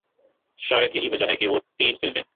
شاید یہی وجہ ہے کہ وہ تین فلمیں